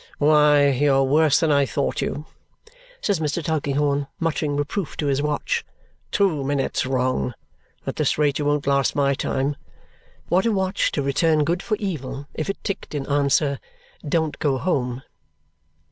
"Why, you are worse than I thought you," says Mr. Tulkinghorn, muttering reproof to his watch. "Two minutes wrong? At this rate you won't last my time." What a watch to return good for evil if it ticked in answer, "Don't go home!"